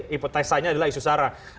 hipotesisnya adalah isu sarah